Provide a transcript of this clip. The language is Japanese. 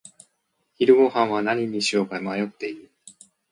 昼ごはんは何にしようか迷っている。